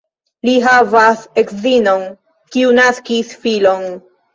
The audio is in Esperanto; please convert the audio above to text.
Li havas edzinon, kiu naskis filon.